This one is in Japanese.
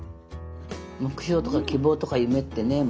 目標とか希望とか夢ってねえ